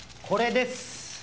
これです。